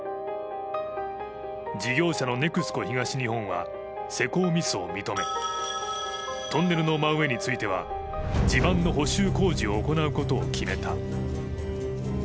事業者のＮＥＸＣＯ東日本は施工ミスを認め、トンネルの真上については地盤の補修工事を行うことを決めた。